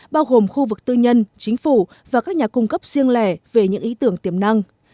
bao gồm khu vực tư nhân chính phủ và các nhà cung cấp riêng lẻ về những ý tưởng tiềm năng